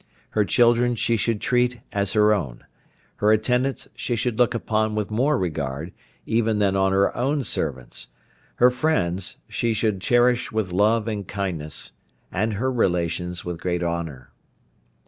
Her children she should treat as her own, her attendants she should look upon with more regard, even than on her own servants, her friends she should cherish with love and kindness, and her relations with great honour.